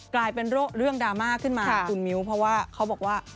กลายเป็นเรื่องดราม่าขึ้นมาคุณมิ้วเพราะว่าเขาบอกว่า